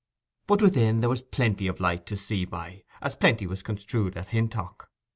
But within there was plenty of light to see by, as plenty was construed at Hintock.